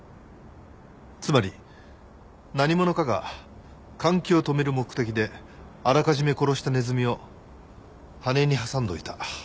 つまり何者かが換気を止める目的であらかじめ殺したネズミを羽根に挟んでおいた。